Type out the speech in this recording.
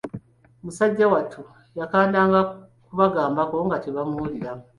Musajja wattu yakandanga kubagambako, nga tebamuwulira.